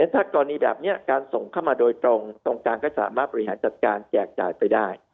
ถ้ากรณีแบบนี้การส่งเข้ามาโดยตรงตรงกลางก็สามารถบริหารจัดการแจกจ่ายไปได้